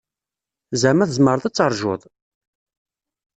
Zeɛma tzemreḍ ad taṛǧuḍ?